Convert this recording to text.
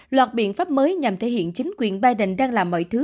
loạt biện pháp mới nhằm thể hiện chính quyền biden đang làm mọi thứ